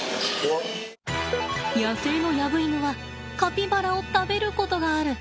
野生のヤブイヌはカピバラを食べることがある。